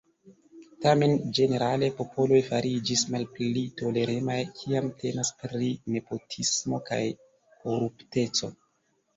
Tamen ĝenerale popoloj fariĝis malpli toleremaj, kiam temas pri nepotismo kaj korupteco.